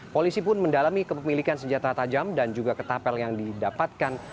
polisi pun mendalami kepemilikan senjata tajam dan juga ketapel yang didapatkan